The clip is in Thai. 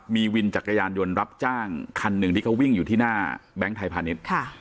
มีวินจักรยานยนต์รับจ้างคันหนึ่งที่เขาวิ่งอยู่ที่หน้าแบงค์ไทยพาณิชย์